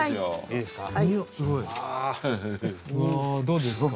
どうですか？